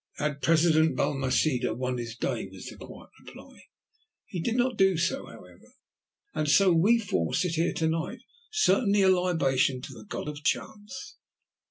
"Had President Balmaceda won his day," was the quiet reply. "He did not do so, however, and so we four sit here to night. Certainly, a libation to the God of Chance."